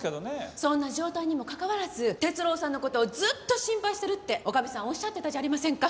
そんな状態にもかかわらず哲郎さんの事をずーっと心配してるって女将さんおっしゃってたじゃありませんか。